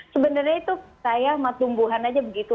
sebenarnya itu saya sama tumbuhan aja begitu